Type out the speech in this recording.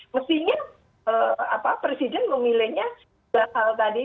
mestinya presiden memilihnya dua hal tadi